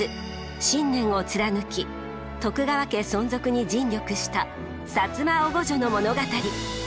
信念を貫き徳川家存続に尽力した摩おごじょの物語。